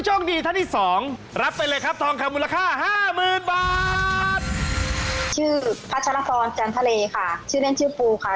โอเคขอบคุณค่ะ